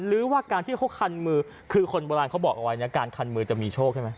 หรือว่าการที่เขาคันมือคือคนโบราณเขาบอกเอาไว้นะการคันมือจะมีโชคใช่ไหม